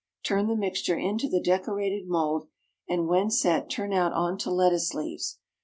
Turn the mixture into the decorated mould, and, when set, turn out on to lettuce leaves.